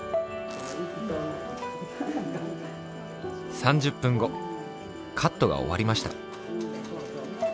３０ぷんごカットがおわりました。